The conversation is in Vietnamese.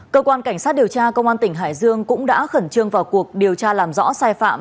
cơ quan cảnh sát điều tra công an tỉnh hải dương cũng đã khẩn trương vào cuộc điều tra làm rõ sai phạm